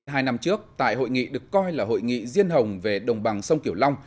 hai năm trước tại hội nghị được coi là hội nghị riêng hồng về đồng bằng sông kiểu long